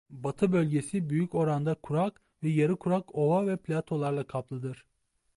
Batı bölgesi büyük oranda kurak ve yarı kurak ova ve platolarla kaplıdır.